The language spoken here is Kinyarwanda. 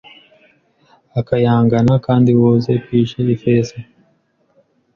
akayangana Kandi woze bwije ifeza